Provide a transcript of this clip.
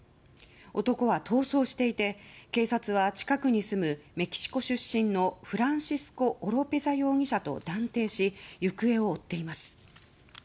男は逃走していて警察は近くに住むメキシコ出身のフランシスコ・オロペザ容疑者と断定し、行方を追っています。